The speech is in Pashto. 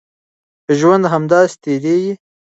ژوند همداسې تېرېږي.